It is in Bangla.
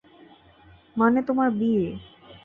মানে তোমার বিয়ে।